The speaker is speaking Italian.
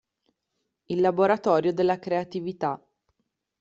Il laboratorio della Creatività".